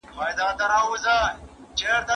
د بند امیر جهيلونه په بامیانو کي ډېر ښکلي دي.